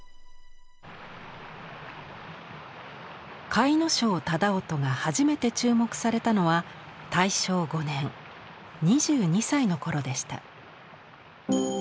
甲斐荘楠音が初めて注目されたのは大正５年２２歳の頃でした。